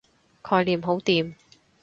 概念好掂